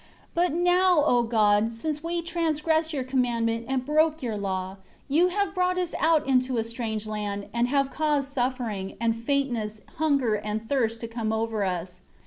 17 But now, O God, since we transgressed Your commandment and broke Your law, You have brought us out into a strange land, and have caused suffering, and faintness, hunger and thirst to come over us.